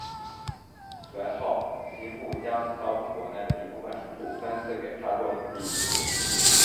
随后其父将教宗国内的一部份领土分赐给他做领地。